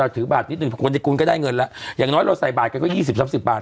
ถือบาทนิดหนึ่งคนที่คุณก็ได้เงินแล้วอย่างน้อยเราใส่บาทกันก็๒๐๓๐บาท